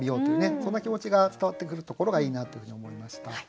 そんな気持ちが伝わってくるところがいいなというふうに思いました。